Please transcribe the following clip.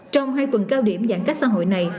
trong hai tuần cao điểm giãn cách xã hội này